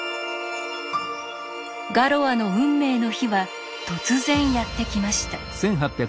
ガロアの運命の日は突然やって来ました。